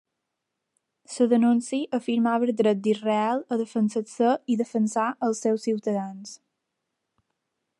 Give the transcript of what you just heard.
La denúncia afirmava el dret d'Israel a defensar-se i defensar als seus ciutadans.